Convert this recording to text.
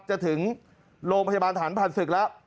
จะถึงโรงพยาบาลฐานผ่านศึกแล้ว